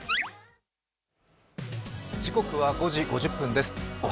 時刻は５時５０分です。